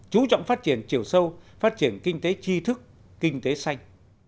chú trọng phát triển chiều sâu phát triển kinh tế tri thức kinh tế xanh